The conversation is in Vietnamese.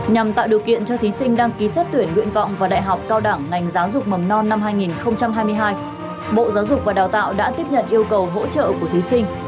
nhằm tạo điều kiện cho thí sinh đăng ký xét tuyển nguyện vọng và đại học cao đẳng ngành giáo dục mầm non năm hai nghìn hai mươi hai bộ giáo dục và đào tạo đã tiếp nhận yêu cầu hỗ trợ của thí sinh